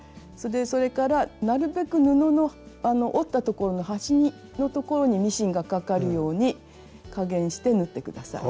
それからなるべく布の折った所の端の所にミシンがかかるように加減して縫って下さい。